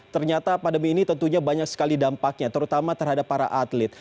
ternyata pandemi ini tentunya banyak sekali dampaknya terutama terhadap para atlet